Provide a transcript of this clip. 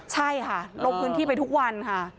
ใช่ค่ะลงพื้นที่ไปทุกวันค่ะ